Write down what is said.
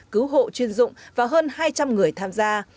cứu hộ chuyên dụng và hơn hai trăm linh người tham gia